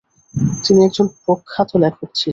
তিনি একজন প্রখ্যাত লেখক ছিলেন।